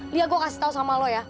lia gue kasih tau sama lo ya